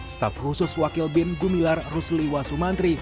staf khusus wakil bin gumilar rusli wasumantri